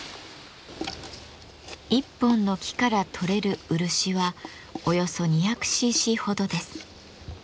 一本の木からとれる漆はおよそ２００ｃｃほどです。